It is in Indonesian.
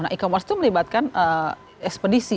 nah e commerce itu melibatkan ekspedisi